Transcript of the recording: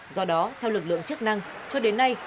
do đó theo lực lượng chức năng cho đến nay